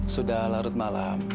sudah larut malam